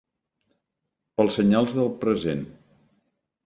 Pels senyals del present.